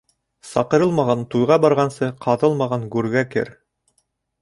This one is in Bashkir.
Саҡырылмаған туйға барғансы, ҡаҙылмаған гүргә кер.